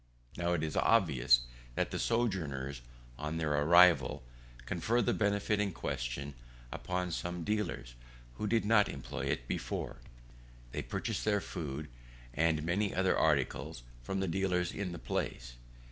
Now it is obvious that the sojourners, on their arrival, confer the benefit in question upon some dealers, who did not enjoy it before. They purchase their food, and many other articles, from the dealers in the place.